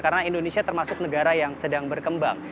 karena indonesia termasuk negara yang sedang berkembang